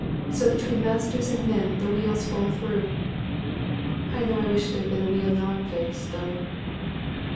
So between masters and men th' wheels fall through. I know I wish there'd been a wheel in our place, though."